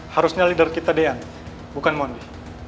harusnya leader kita dean bukan mondi